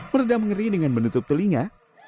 meredam mengeri dengan menutup telinga